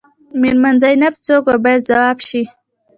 میرمن زینب څوک وه باید ځواب شي.